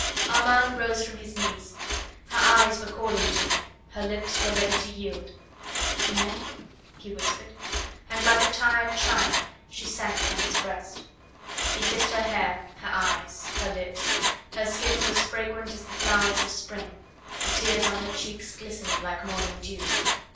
Armand rose from his knees. Her eyes were calling to him, her lips were ready to yield. "Tu m'aimes?" he whispered. And like a tired child she sank upon his breast. He kissed her hair, her eyes, her lips; her skin was fragrant as the flowers of spring, the tears on her cheeks glistened like morning dew.